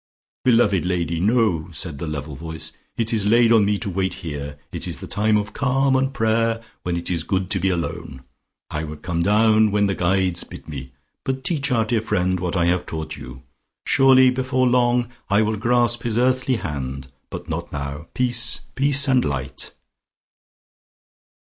"Beloved lady, no!" said the level voice. "It is laid on me to wait here. It is the time of calm and prayer when it is good to be alone. I will come down when the guides bid me. But teach our dear friend what I have taught you. Surely before long I will grasp his earthly hand, but not now. Peace! Peace! and Light!"